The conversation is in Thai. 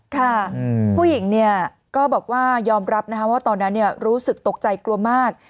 ค่ะผู้หญิงก็บอกว่ายอมรับว่าตอนนั้นรู้สึกตกใจกลัวมาก